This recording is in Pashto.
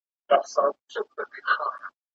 د تربور غاښ په تربره ماتېږي.